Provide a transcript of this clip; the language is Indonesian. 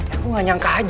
aku gak nyangka aja